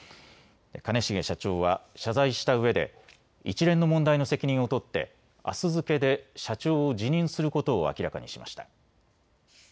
兼重社長は謝罪したうえで一連の問題の責任を取ってあす付けで社長を辞任することを明らかにしました。